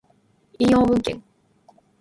引用文献